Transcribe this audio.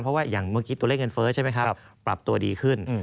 ตัวเลขเงินเฟิร์สใช่ไหมครับปรับตัวดีขึ้น